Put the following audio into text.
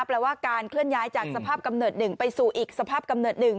แปลว่าการเคลื่อนย้ายจากสภาพกำเนิด๑ไปสู่อีกสภาพกำเนิด๑